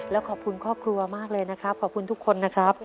แล้วขอบคุณครอบครัวมากเลยนะครับขอบคุณทุกคนนะครับ